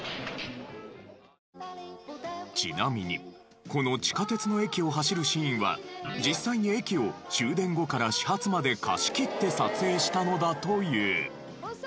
ちなみにこの地下鉄の駅を走るシーンは実際に駅を終電後から始発まで貸し切って撮影したのだという。